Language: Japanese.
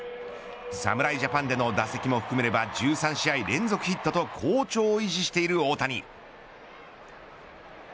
侍ジャパンでの打席も含めれば１３試合連続ヒットと好調を維持している大谷。